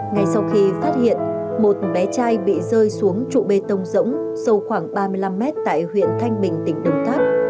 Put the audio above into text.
ngay sau khi phát hiện một bé trai bị rơi xuống trụ bê tông rỗng sâu khoảng ba mươi năm mét tại huyện thanh bình tỉnh đồng tháp